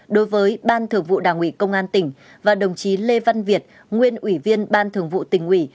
đối với ban thường vụ đảng ủy công an tỉnh và đồng chí lê văn việt nguyên ủy viên ban thường vụ tỉnh ủy